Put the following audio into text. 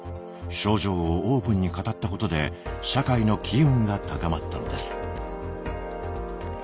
症状をオープンに語ったことで社会の機運が高まったのです。